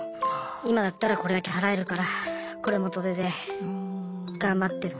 今だったらこれだけ払えるからこれ元手で頑張ってと。